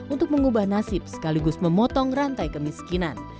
untuk mengubah nasib sekaligus memotong rantai kemiskinan